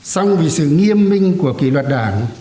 xong vì sự nghiêm minh của kỷ luật đảng